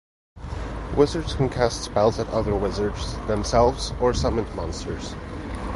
Wizards can cast spells at other wizards, themselves, or summoned monsters.